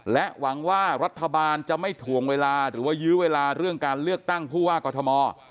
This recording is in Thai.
และหวังว่ารัฐบาลจะไม่ถวงเวลาหรือว่ายื้อเวลาเรื่องการเลือกตั้งผู้ว่ากอทม